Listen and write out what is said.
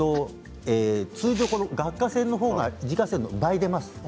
通常、顎下腺のほうが耳下腺の倍出ます。